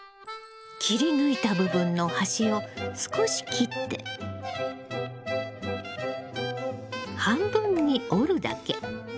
切り抜いた部分の端を少し切って半分に折るだけ。